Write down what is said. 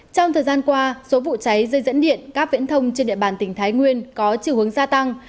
trong thời gian qua số vụ cháy dây dẫn điện các viễn thông trên địa bàn tỉnh thái nguyên có chiều hướng gia tăng